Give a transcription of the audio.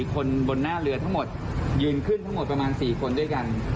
คนบนหน้าเรือทั้งหมดยืนขึ้นทั้งหมดประมาณ๔คนด้วยกัน